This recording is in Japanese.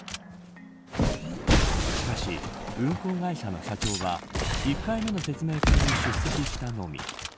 しかし、運航会社の社長は１回目の説明会に出席したのみ。